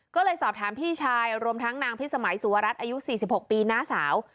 ก็เลยสอบถามพี่ชายรวมทั้งนางพิสมัยสุวรัตน์อายุ๔๖ปีน้าสาว